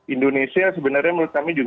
indonesia sebenarnya menurut kami juga